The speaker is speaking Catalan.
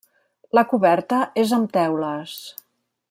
La coberta és amb teules.